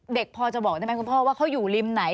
เด็กพอจะบอกได้ไหมคุณพ่อว่าเขาอยู่ริมไหน